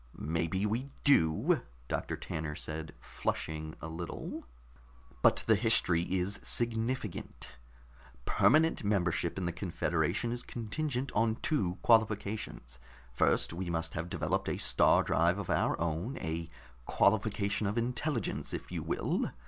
"Maybe we do," Doctor Tanner said, flushing a little. "But the history is significant. Permanent membership in the confederation is contingent on two qualifications. First, we must have developed a star drive of our own, a qualification of intelligence, if you will.